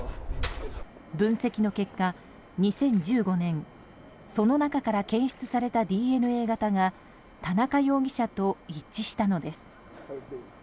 分析の結果、２０１５年その中から検出されたＤＮＡ型が田中容疑者と一致したのです。